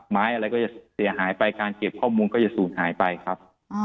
ไม้อะไรก็จะเสียหายไปการเก็บข้อมูลก็จะสูญหายไปครับ